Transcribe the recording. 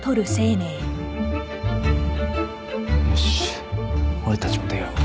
よし俺たちも出よう。